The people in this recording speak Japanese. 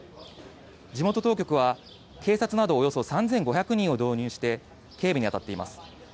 地元当局は、警察などおよそ３５００人を動員して、警備に当たっています。